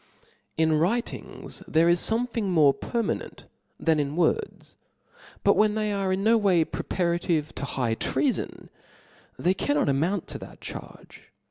T N writings there is fomething more permanent r than in words \ but when they are no way pre parative to high treafon, they cannot amount to that charge.